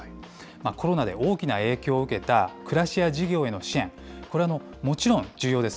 コロナで大きな影響を受けた暮らしや事業への支援、これ、もちろん、重要です。